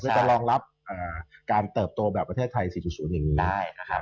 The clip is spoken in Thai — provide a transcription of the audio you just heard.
ต้องรองรับการเติบโตแบบประเทศไทย๔๐อย่างนี้